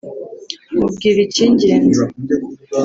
mubwira ikingenza